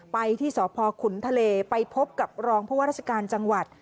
ไปที่สพขุนทะเลไปพบกับรองผู้ว่าราชการจังหวัด